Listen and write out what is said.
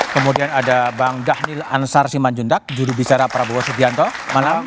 kemudian ada bang dahnil ansar siman jundak juru bicara prabowo setianto malam